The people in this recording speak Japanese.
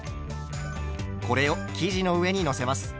これを生地の上にのせます。